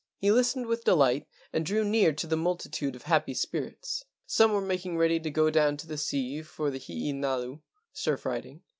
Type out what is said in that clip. He listened with delight and drew near to the multitude of happy spirits. Some were making ready to go down to the sea for the hee nalu (surf riding).